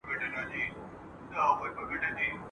له مانه کیږي دا لاري په سکروټو کي مزلونه !.